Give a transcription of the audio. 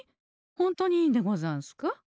ホントにいいんでござんすか？